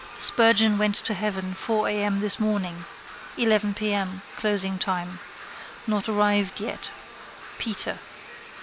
Spurgeon went to heaven 4 a.m. this morning. 11 p.m. (closing time). Not arrived yet. Peter.